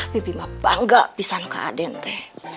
bibimah bangga pisanku adente